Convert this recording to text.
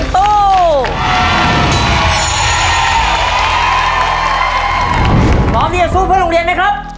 พร้อมที่จะสู้เพื่อโรงเรียนไหมครับ